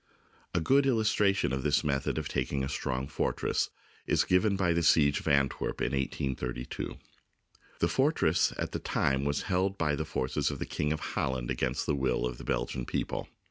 A good illustration of this method of taking a strong fortress is given by the siege of Antwerp, in 1832. The fortress at this time was held by the forces of the King of Holland against the will of the Belgian people.